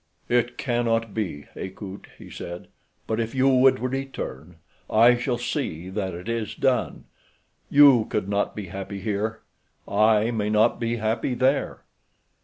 "It cannot be, Akut," he said; "but if you would return, I shall see that it is done. You could not be happy here—I may not be happy there."